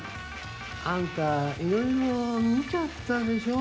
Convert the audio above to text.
あんたいろいろ見ちゃったでしょ？